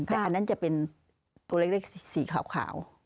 แต่อันนั้นจะเป็นตัวเล็กสีขาว